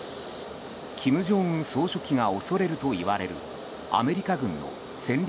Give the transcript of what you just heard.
金正恩総書記が恐れるといわれるアメリカ軍の戦略